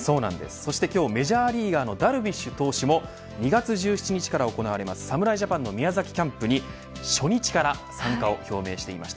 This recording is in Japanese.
そして今日メジャーリーガーのダルビッシュ投手も２月１７日から行われる侍ジャパンの宮崎キャンプに初日から参加を表明していました